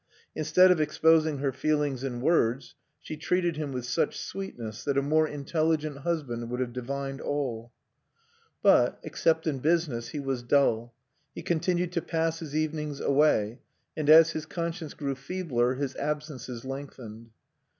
Instead of exposing her feelings in words, she treated him with such sweetness that a more intelligent husband would have divined all. But, except in business, he was dull. He continued to pass his evenings away; and as his conscience grew feebler, his absences lengthened.